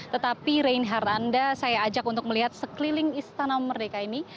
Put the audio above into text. tetapi reinhardt anda saya ajak untuk melihat sekeliling istana merdeka ini